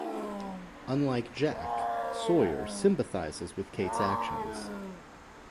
Unlike Jack, Sawyer sympathizes with Kate's actions.